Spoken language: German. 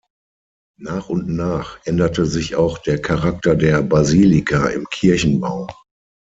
Nach und nach änderte sich auch der Charakter der Basilika im Kirchenbau.